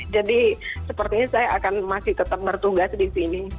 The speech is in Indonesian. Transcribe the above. jadi sepertinya saya akan masih tetap bertugas di sini